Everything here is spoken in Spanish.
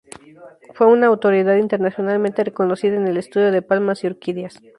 Fue una autoridad internacionalmente reconocida en el estudio de palmas y orquídeas.